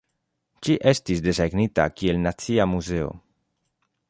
Ĝi estis desegnita kiel nacia muzeo.